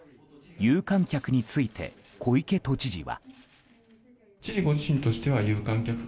有観客について小池都知事は。